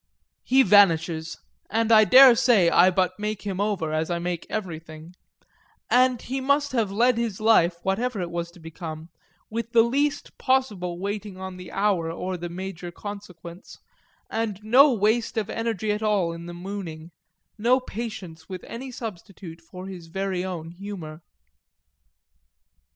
He vanishes, and I dare say I but make him over, as I make everything; and he must have led his life, whatever it was to become, with the least possible waiting on the hour or the major consequence and no waste of energy at all in mooning, no patience with any substitute for his very own humour.